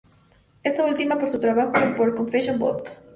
Esta última por su trabajo en por "Confession Booth".